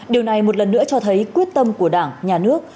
điều này một lần nữa cho thấy quyết tâm của đảng nhà nước